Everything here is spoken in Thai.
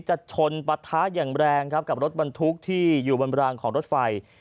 จะชนปลาท้ายังแรงกับรถบรรทุกที่อยู่บนรังของรถไฟ